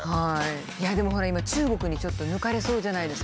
いやでもほら今中国にちょっと抜かれそうじゃないですか。